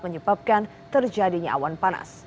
menyebabkan terjadinya awan panas